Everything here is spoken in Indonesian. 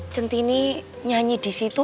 centini nyanyi disitu